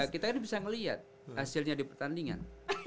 kita kan bisa ngeliat hasilnya di pertandingan